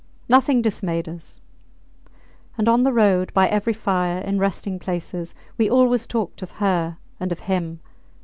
Nothing dismayed us. And on the road, by every fire, in resting places, we always talked of her and of him.